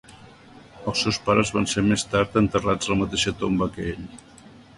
Els seus pares van ser més tard enterrats a la mateixa tomba que ell.